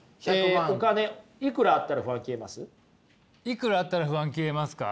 いくらあったら不安消えますか？